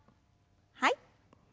はい。